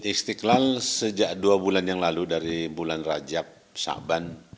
istiqlal sejak dua bulan yang lalu dari bulan rajab syaban